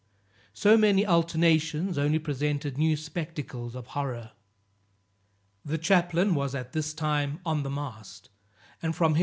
So many alternations only presented new spectacles of horror. The chaplain was at this time on the mast, and from him M.